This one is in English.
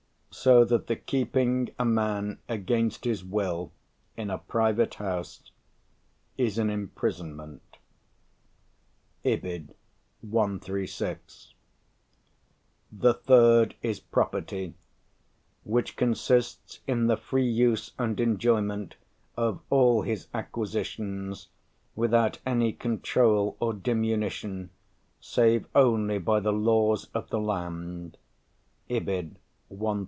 So that the keeping; a man against his will in a private house.... is an imprisonment" (Ibid, 136): The third is property, "which consists in the free use and enjoyment of all his acquisitions, without any control or diminution, save only by the laws of the land" (Ibid, 138).